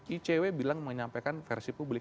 icw bilang menyampaikan versi publik